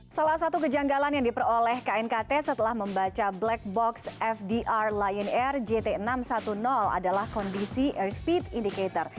salah satu kejanggalan yang diperoleh knkt setelah membaca black box fdr lion air jt enam ratus sepuluh adalah kondisi airspeed indicator